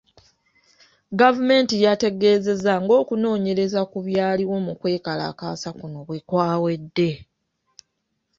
Gavumenti yategeezezza ng’okunoonyereza ku byaliwo mu kwekalakaasa kuno bwe kwawedde .